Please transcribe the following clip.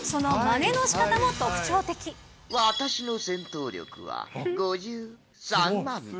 私の戦闘力は５３万です。